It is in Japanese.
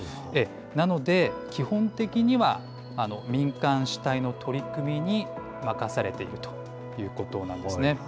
なので、基本的には民間主体の取り組みに任されているということなんですね。